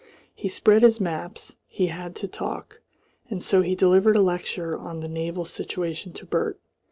He spread his maps, he had to talk, and so he delivered a lecture on the naval situation to Bert.